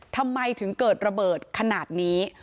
ทำไมถึงเกิดระเบิดขนาดนี้